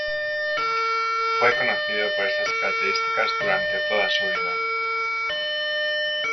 Fue conocido por estas características durante toda su vida.